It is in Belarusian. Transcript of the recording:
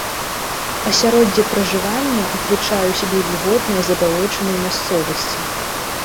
Асяроддзе пражывання ўключае ў сябе вільготныя, забалочаныя мясцовасці.